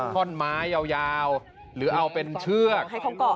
ท่อนไม้ยาวหรือเอาเป็นเชือก